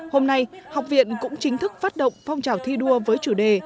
hôm nay học viện cũng chính thức phát động phong trào thi đua với chủ đề